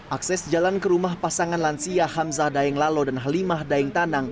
akses jalan ke rumah pasangan lansia hamzah daeng lalo dan halimah daeng tanang